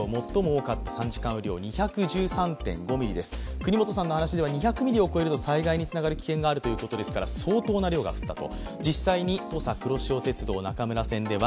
國本さんの話によると２００ミリを超えると、災害につながる危険があるということですから相当な量が降ったと。